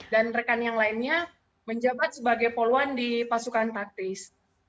dan rekan yang lainnya menjabat sebagai poluan di pasukan taktis